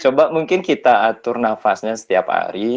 coba mungkin kita atur nafasnya setiap hari